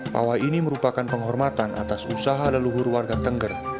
pawai ini merupakan penghormatan atas usaha leluhur warga tengger